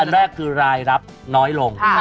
แรกคือรายรับน้อยลง